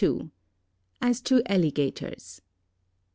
] AS TO ALLIGATORS.